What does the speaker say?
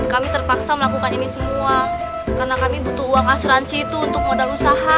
kami terpaksa melakukan ini semua karena kami butuh uang asuransi itu untuk modal usaha